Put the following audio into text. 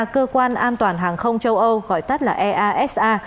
cơ quan an toàn hàng không châu âu gọi tắt là easa